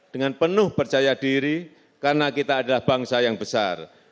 dengan penuh percaya diri karena kita adalah bangsa yang besar